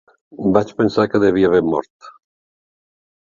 Vaig pensar que devia haver mort